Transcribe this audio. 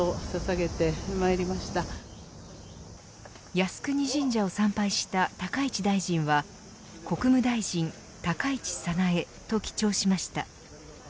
靖国神社を参拝した高市大臣は国務大臣高市早苗と記帳しました。